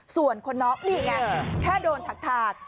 ส่วนคนน้องแค่โดนถัก